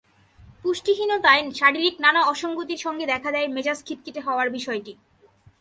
পুষ্টিহীনতায় শারীরিক নানা অসংগতির সঙ্গে দেখা দেয় মেজাজ খিটখিটে হওয়ার বিষয়টি।